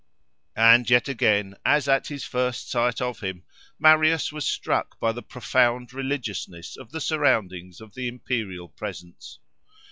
And yet, again as at his first sight of him, Marius was struck by the profound religiousness of the surroundings of the imperial presence.